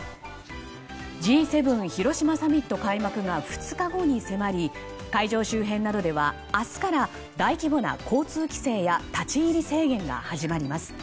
Ｇ７広島サミット開幕が２日後に迫り会場周辺などでは明日から大規模な交通規制や立ち入り制限が始まります。